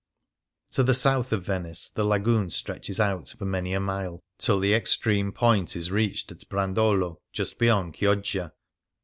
To the south of Venice the Lagoon stretches out for many a mile, till the extreme point is reached at Brondolo, just beyond Chioggia.